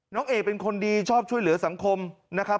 น้องเอกเป็นคนดีชอบช่วยเหลือสังคมนะครับ